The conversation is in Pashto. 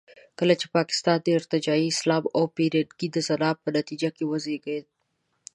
کله چې پاکستان د ارتجاعي اسلام او پیرنګۍ د زنا په نتیجه کې وزېږېد.